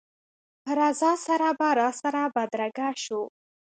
په رضا سره به راسره بدرګه شو.